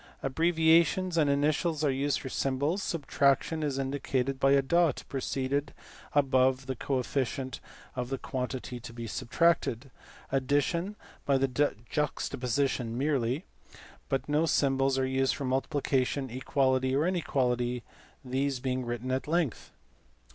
Abbrevia tions and initials are used for symbols; subtraction is indicated by a dot placed above the coefficient of the quantity to be subtracted; addition by juxtaposition merely; but no symbols are used for multiplication, equality, or inequality, these being written at length.